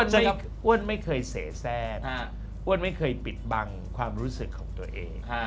ใจอ้วนไม่เคยเสียแทรกอ้วนไม่เคยปิดบังความรู้สึกของตัวเอง